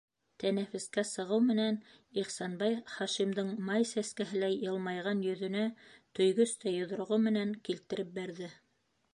Тәнәфескә сығыу менән Ихсанбай Хашимдың май сәскәһеләй йылмайған йөҙөнә төйгөстәй йоҙроғо менән килтереп бәрҙе.